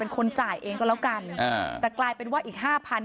เป็นคนจ่ายเองก็แล้วกันแต่กลายเป็นว่าอีก๕๐๐๐บาท